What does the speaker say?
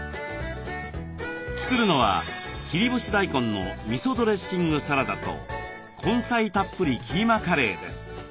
作るのは切り干し大根のみそドレッシングサラダと根菜たっぷりキーマカレーです。